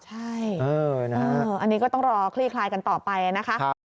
ใช่อันนี้ก็ต้องรอคลี่คลายกันต่อไปนะคะ